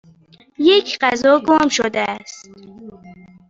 یک غذا گم شده است.